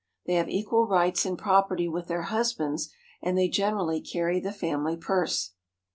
They have equal rights in property with their husbands, and they generally carry the family purse.